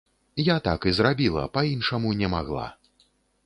Я так і зрабіла, па-іншаму не магла.